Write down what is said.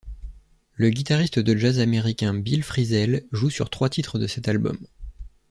Le guitariste de jazz américain Bill Frisell joue sur trois titres de cet album.